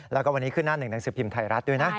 แล้วก็วันนี้ขึ้นหน้าหนึ่งหนังสือพิมพ์ไทยรัฐด้วยนะ